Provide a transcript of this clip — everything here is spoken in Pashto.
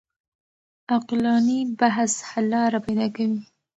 عقلاني بحث حل لاره پيدا کوي.